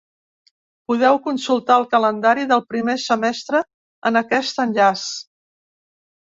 Podeu consultar el calendari del primer semestre en aquest enllaç.